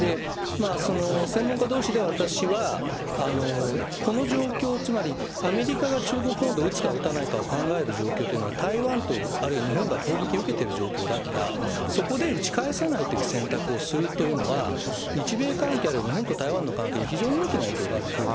その専門家どうしで、私はこの状況、つまりアメリカが中国本土を撃つか撃たないかを考える状況というのは、台湾とあるいは日本が攻撃受けてる状況だから、そこで撃ち返さないという選択をするというのは、日米関係あるいは日本と台湾の関係に、非常に大きな影響があるんですね。